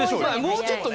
もうちょっと。